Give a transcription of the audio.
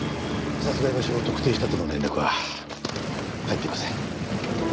殺害場所を特定したとの連絡は入っていません。